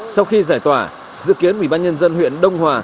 sau khi giải tỏa dự kiến một mươi ba nhân dân huyện đông hòa